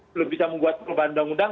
belum bisa membuat perubahan undang undang